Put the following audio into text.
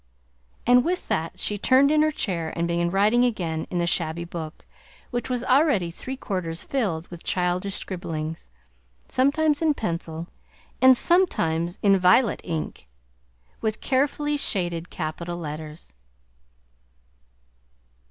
And with that she turned in her chair and began writing again in the shabby book, which was already three quarters filled with childish scribblings, sometimes in pencil, and sometimes in violet ink with carefully shaded capital letters."